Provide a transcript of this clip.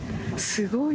すごい。